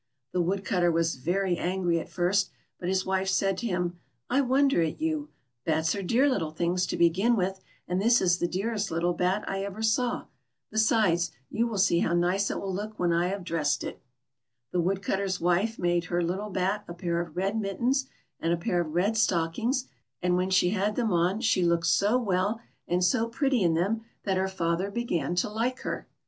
The Woodcutter was very angry at first, but his wife said to him :" I wonder at you. Bats are dear little things to begin with, and this is the dearest little bat I ever saw. Besides, you will see how nice it will look when I have dressed it." The Woodcutter's wife made her little bat a pair of red mittens and a pair of red stockings, and when she had them on, she looked so well and so pretty in them, 200 BATTY. that her father began to like her.